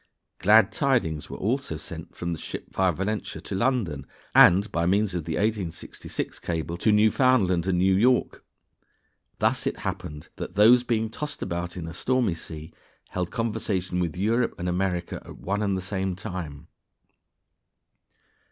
Glad tidings were also sent from the ship via Valentia to London, and, by means of the 1866 cable, to Newfoundland and New York. Thus it happened that those being tossed about in a stormy sea held conversation with Europe and America at one and the same time.